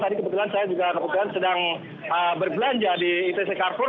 tadi kebetulan saya juga kebetulan sedang berbelanja di itc car free